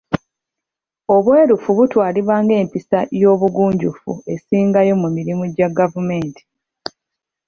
Obwerufu butwalibwa ng'empisa y'obugunjufu esingayo mu mirimu gya gavumenti.